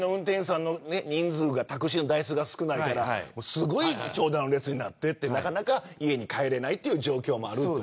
タクシーの台数が少ないからすごい長蛇の列になってなかなか家に帰れないという状況もある。